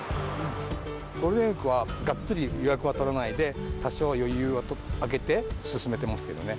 ゴールデンウィークは、がっつり予約は取らないで、多少余裕を空けて進めてますけれどもね。